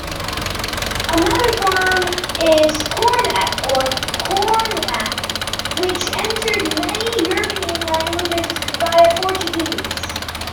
Another term is "cornac" or "kornak", which entered many European languages via Portuguese.